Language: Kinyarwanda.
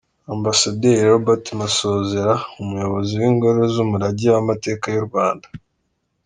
Ambasaderi Robert Masozera umuyobozi w’ingoro z’umurage w’amateka y’u Rwanda.